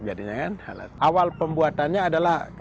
awal pembuatannya adalah